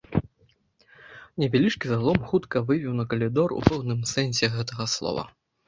Невялічкі залом хутка вывеў на калідор у пэўным сэнсе гэтага слова.